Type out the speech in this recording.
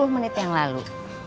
sepuluh menit yang lalu